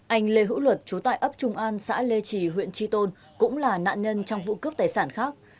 anh lê hữu luật chú tại ấp trung an xã lê trì huyện tri tôn cũng là nạn nhân trong vụ cướp tài sản khác